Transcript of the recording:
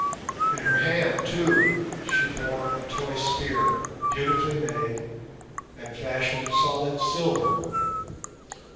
In her hand, too, she bore a toy spear, beautifully made and fashioned of solid silver.